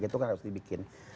itu harus dibikin